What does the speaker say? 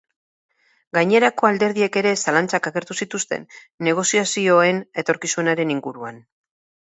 Gainerako alderdiek ere zalantzak agertu zituzten negoziazioen etorkizunaren inguruan.